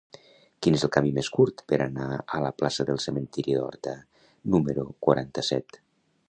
Quin és el camí més curt per anar a la plaça del Cementiri d'Horta número quaranta-set?